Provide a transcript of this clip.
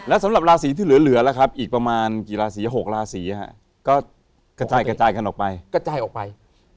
แล้วสำหรับราศีที่เหลือแล้วครับอีกประมาณ๖ราศีก็กระจายกันออกไป